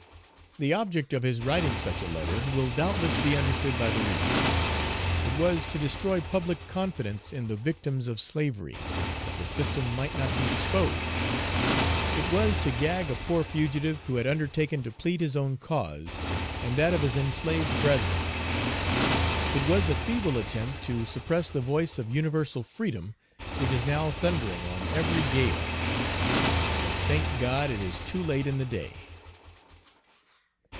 The object of his writing such a letter will doubtless be understood by the reader. It was to destroy public confidence in the victims of slavery, that the system might not be exposed it was to gag a poor fugitive who had undertaken to plead his own cause and that of his enslaved brethren. It was a feeble attempt to suppress the voice of universal freedom which is now thundering on every gale. But thank God it is too late in the day.